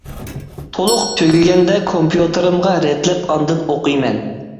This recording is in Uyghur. تولۇق تۈگىگەندە كومپيۇتېرىمغا رەتلەپ ئاندىن ئوقۇيمەن.